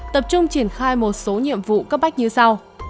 tập trung triển khai một số nhiệm vụ cấp bách như sau